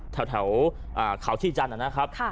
แถวเขาชีจันทร์นะครับ